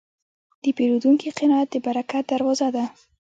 د پیرودونکي قناعت د برکت دروازه ده.